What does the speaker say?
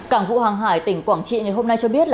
cảng vụ hàng hải tỉnh quảng trị ngày hôm nay cho biết